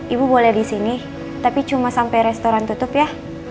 ibu boleh di sini tapi cuma sampai restoran tutup ya